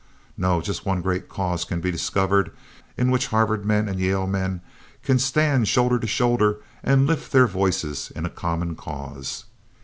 No, just one great cause can be discovered in which Harvard men and Yale men can stand shoulder to shoulder and lift their voices in a common cause.